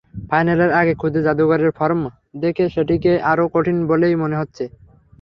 ফাইনালের আগে খুদে জাদুকরের ফর্ম দেখে সেটিকে আরও কঠিন বলেই মনে হচ্ছে।